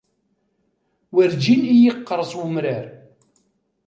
Werǧin i yi-yeqqers umrar.